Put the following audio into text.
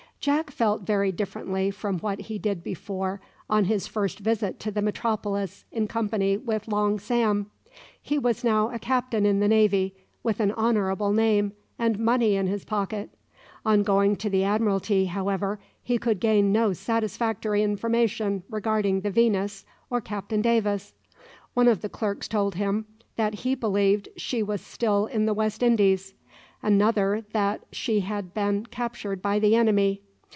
Jack felt very differently from what he did before on his first visit to the metropolis in company with Long Sam. He was now a captain in the navy, with an honourable name, and money in his pocket. On going to the Admiralty, however, he could gain no satisfactory information regarding the "Venus" or Captain Davis. One of the clerks told him that he believed she was still in the West Indies. Another that she had been captured by the enemy.